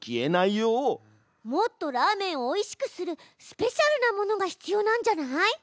もっとラーメンをおいしくするスペシャルなものが必要なんじゃない？